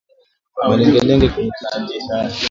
Malengelenge kwenye titi